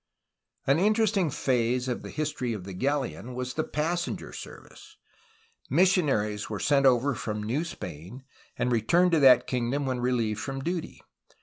An interesting phase of the history of the galleon was the passenger service. Missionaries were sent over from New Spain, and returned to that kingdom when relieved from duty.